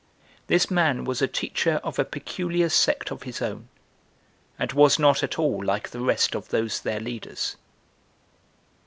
This man was a teacher of a peculiar sect of his own, and was not at all like the rest of those their leaders.